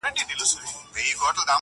گراني راته راکړه څه په پور باڼه_